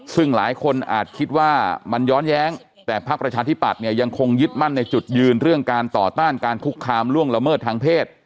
ซึ่งหลายคนอาจคิดว่ามันย้อนแย้งแต่พักประชาธิปัตย์เนี่ยยังคงยึดมั่นในจุดยืนเรื่องการต่อต้านการคุกคามล่วงละเมิดทางเพศ